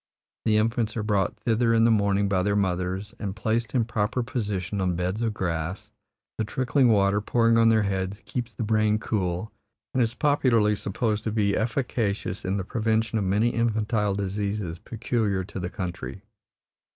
The infants are brought thither in the morning by their mothers and placed in proper position on beds of grass; the trickling water, pouring on their heads, keeps the brain cool and is popularly supposed to be efficacious in the prevention of many infantile diseases peculiar to the country.